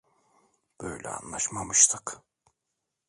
Böyle anlaşmamıştık.